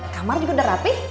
kamar juga udah rapih